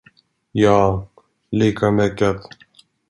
Ja, lika mycket.